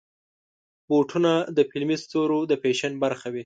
بوټونه د فلمي ستورو د فیشن برخه وي.